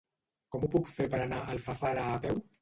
Com ho puc fer per anar a Alfafara a peu?